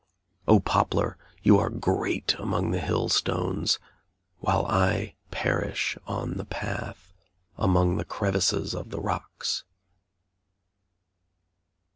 O poplar, you are great among the hill stones, while I perish on the path among the crevices of the rocks.